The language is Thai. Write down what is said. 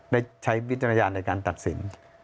ได้ใช้วิจารณญาณในการตัดสิน